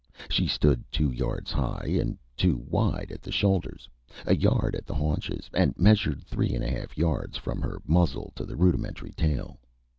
She stood two yards high and two wide at the shoulders, a yard at the haunches, and measured three and a half yards from her muzzle to the rudimentary tail.